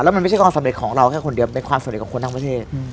แล้วมันไม่สำเร็จของเราแค่คนเดียวเป็นสำเร็จของคนทั้งประเทศ